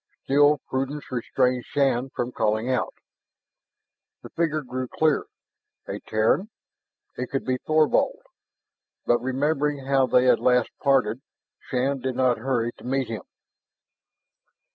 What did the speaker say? Still, prudence restrained Shann from calling out. The figure grew clearer. A Terran! It could be Thorvald! But remembering how they had last parted, Shann did not hurry to meet him.